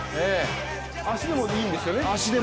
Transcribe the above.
足でもいいんですよね。